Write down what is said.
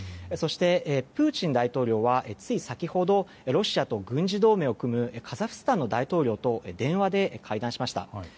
そして、プーチン大統領はつい先ほどロシアと軍事同盟を組むカザフスタンの大統領と電話で会談しました。